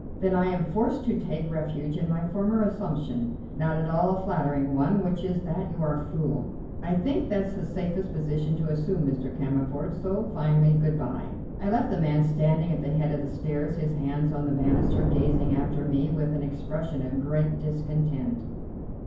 "Then I am forced to take refuge in my former assumption, not at all a flattering one, which is that you're a fool." "I think that's the safest position to assume, Mr. Cammerford; so, finally, good bye." I left the man standing at the head of the stairs, his hands on the banister, gazing after me with an expression of great discontent.